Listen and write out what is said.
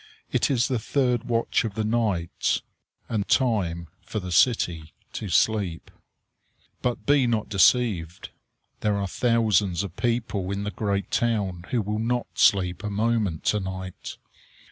It is the third watch of the night, and time for the city to sleep. But be not deceived. There are thousands of people in the great town who will not sleep a moment to night.